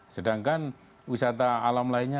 sedangkan wisata alam lainnya